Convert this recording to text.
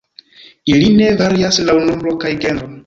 Ili ne varias laŭ nombro kaj genro.